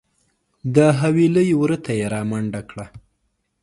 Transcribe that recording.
د حویلۍ وره ته یې رامنډه کړه .